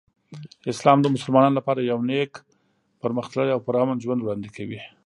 اسلام د مسلمانانو لپاره یو نیک، پرمختللی او پرامن ژوند وړاندې کوي.